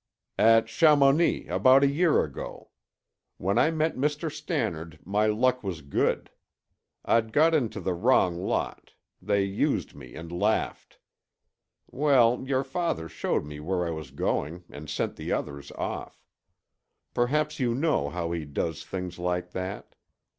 "At Chamonix, about a year ago. When I met Mr. Stannard my luck was good. I'd got into the wrong lot; they used me and laughed. Well, your father showed me where I was going and sent the others off. Perhaps you know how he does things like that?